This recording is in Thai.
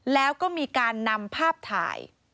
แล้วก็มีการนำภาพถ่าย